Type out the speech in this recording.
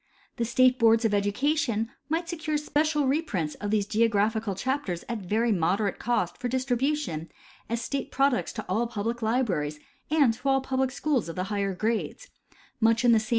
The state boards of education might secure special reprints of these geographical chapters at very moderate cost for distribution as state products to all public libraries and to all Til e Study of Home Geof/rapJnj. 75 ]ju1>lic schools of the higher grades; much in the same wa.